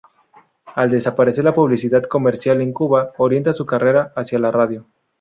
Al desaparecer la publicidad comercial en Cuba, orienta su carrera hacia la radio.